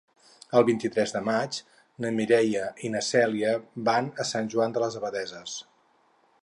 El vint-i-tres de maig na Mireia i na Cèlia van a Sant Joan de les Abadesses.